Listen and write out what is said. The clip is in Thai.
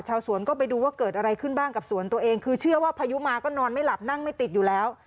ชาวสวนก็ไปดูว่าเกิดอะไรขึ้นบ้างกับสวนตัวเองคือเชื่อว่าพายุมาก็นอนไม่หลับนั่งไม่ติดอยู่แล้ว